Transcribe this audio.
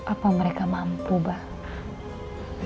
apa mereka mampu pak